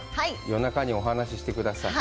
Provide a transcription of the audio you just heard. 夜中にお話ししてください。